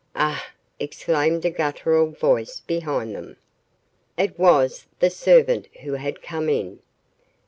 "Ugh!" exclaimed a guttural voice behind them. It was the servant who had come in.